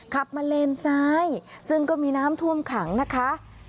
ขับมาเลนซ้ายซึ่งก็มีน้ำท่วมขังนะคะ